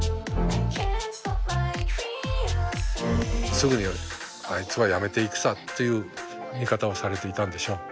すぐにあいつは辞めていくさという見方をされていたんでしょう。